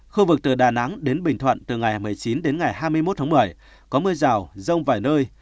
khu vực từ đà nẵng đến bình thuận từ ngày một mươi chín đến ngày hai mươi một tháng một mươi có mưa rào rông vài nơi